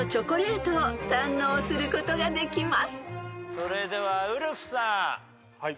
それではウルフさん。